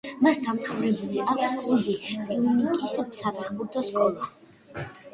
მას დამთავრებული აქვს კლუბ პიუნიკის საფეხბურთო სკოლა.